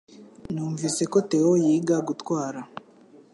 Numvise ko Theo yiga gutwara